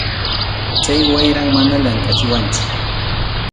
Chay wayram mana llamkʼachiwanchu.